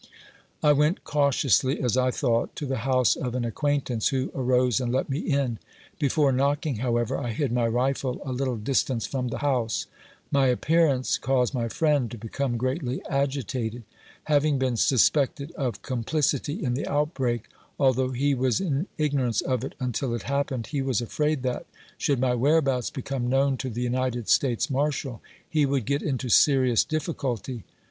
I went cautiously, as I thought, to the house of an ac quaintance, who arose and let me in. Before knocking, how ever, I hid my rifle a little distance from the house. My ap pearance caused my friend to become greatly agitated. Having been suspected of complicity in the outbreak, al though he was in ignorance of it until it happened, he was afraid that, should my whereabouts become known to the United States Marshal, he would get into serious difficulty.